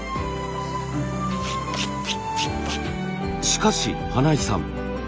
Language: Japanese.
しかし花井さん